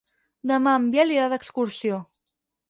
Demà en Biel irà d'excursió.